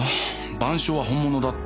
『晩鐘』は本物だった。